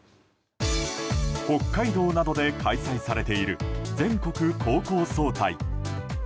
北海道などで開催されている全国高校総体。